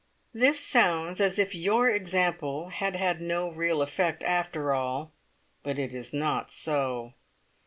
This sounds as if your example had had no real effect after all, but it is not so.